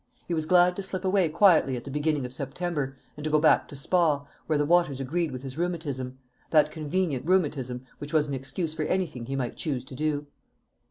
He was glad to slip away quietly at the beginning of September, and to go back to Spa, where the waters agreed with his rheumatism that convenient rheumatism which was an excuse for anything he might choose to do.